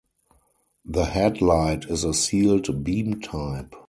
The headlight is a sealed beam type.